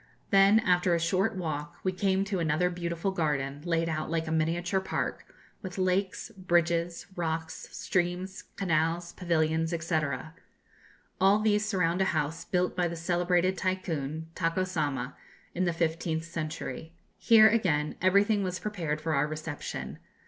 Then, after a short walk, we came to another beautiful garden, laid out like a miniature park, with lakes, bridges, rocks, streams, canals, pavilions, &c. All these surround a house built by the celebrated Tycoon, Tako Sama, in the fifteenth century. Here, again, everything was prepared for our reception.